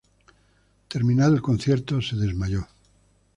Terminado el concierto, se desmayó.